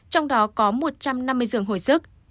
trong đó có một trăm năm mươi giường hồi sức